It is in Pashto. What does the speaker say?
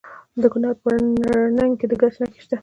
د کونړ په نرنګ کې د ګچ نښې شته.